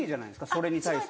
それに対しての。